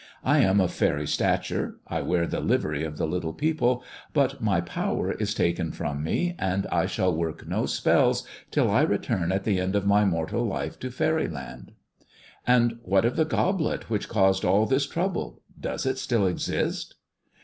"I am of faery stature, I wear the livery of the little people, but my power is taken from me, and I shall work no spells till I return at the end of my mortal life to faeryland." " And what of the goblet which caused all this trouble 1 Does it still exist?"